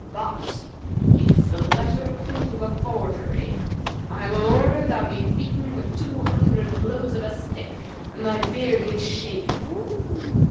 But, if the letter prove a forgery, I will order thou be beaten with two hundred blows of a stick and thy beard be shaven."